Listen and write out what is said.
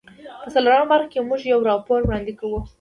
په څلورمه برخه کې موږ یو راپور وړاندې کوو.